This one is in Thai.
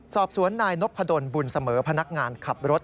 สอบสวนนายนพดลบุญเสมอพนักงานขับรถ